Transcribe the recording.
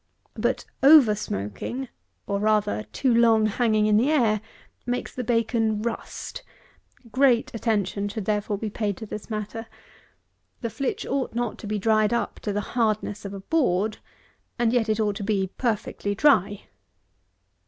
But over smoking, or, rather, too long hanging in the air, makes the bacon rust. Great attention should, therefore, be paid to this matter. The flitch ought not be dried up to the hardness of a board, and yet it ought to be perfectly dry.